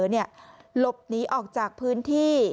หลบหนีออกจากพื้นที่